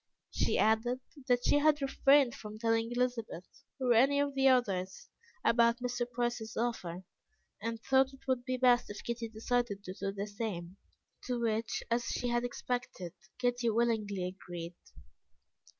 She added, that she had refrained from telling Elizabeth, or any of the others, about Mr. Price's offer, and thought it would be best if Kitty decided to do the same, to which, as she had expected, Kitty willingly agreed.